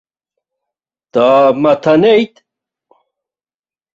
Дааматанеит.